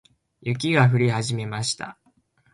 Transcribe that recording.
雪が降り始めました。